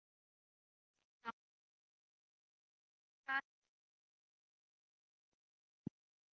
For example, the use of an antler hammer was similar between the two.